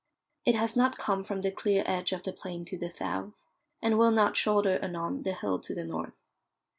It has not come from the clear edge of the plain to the south, and will not shoulder anon the hill to the north.